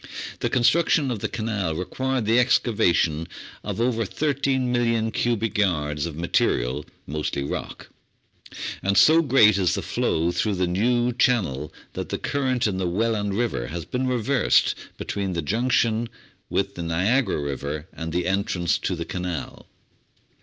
The construction of the canal required the excava tion of over 13,000,000 cubic yards of material, mostly rock ; and so great is the flow through the new channel that the current in the Welland River has been reversed beween the junction with the Niagara River and the entrance to the Canal.